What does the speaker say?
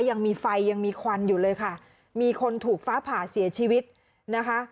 ยังมีไฟยังมีควันอยู่เลยค่ะมีคนถูกฟ้าผ่าเสียชีวิตนะคะ